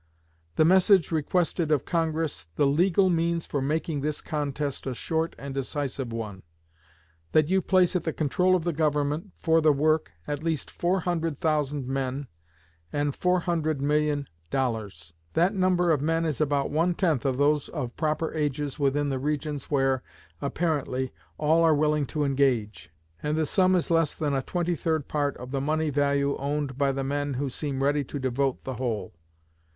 '" The message requested of Congress "the legal means for making this contest a short and decisive one; that you place at the control of the Government, for the work, at least four hundred thousand men and $400,000,000. That number of men is about one tenth of those of proper ages within the regions where, apparently, all are willing to engage; and the sum is less than a twenty third part of the money value owned by the men who seem ready to devote the whole.